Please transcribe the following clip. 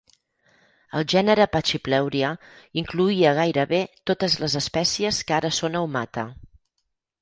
El gènere "pachypleuria" incloïa gairebé totes les espècies que ara són a "humata".